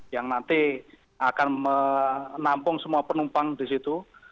yang nanti akan menampung semua penumpang di situ